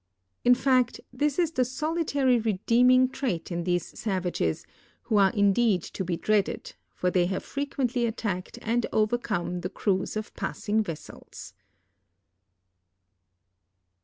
In fact, this is the solitary redeeming trait in these savages, Avho are indeed to be dreaded, for they have frequently attacked and overcome the crcAvs of passing vessels.